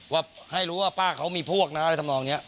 ว่าให้รู้ว่าป้าเขามีพวกนะอะไรทำนองนี้